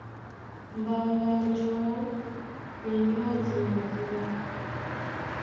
Mbaŋga njɔ̌ e nyɔ́di madíɓá.